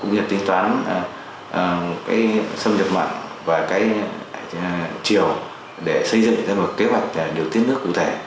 để tính toán xâm nhập mạng và chiều để xây dựng ra một kế hoạch điều tiết nước cụ thể